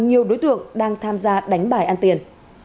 nhiều đối tượng đang tham gia đánh bài ăn tiền